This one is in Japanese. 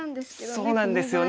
そうなんですよね。